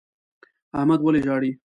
احمد ولي ژاړي؟